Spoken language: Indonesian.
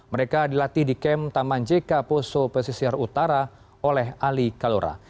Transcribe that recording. mereka dilatih di kem taman jk poso pesisir utara oleh ali kalora